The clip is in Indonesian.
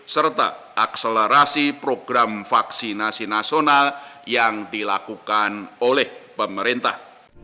serta akselerasi program vaksinasi nasional yang dilakukan oleh pemerintah